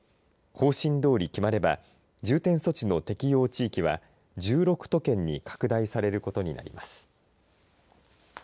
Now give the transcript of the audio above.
方針どおり決まれば重点措置の適用地域は１６都県に拡大されることになります。